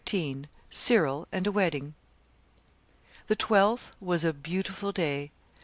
CYRIL AND A WEDDING The twelfth was a beautiful day.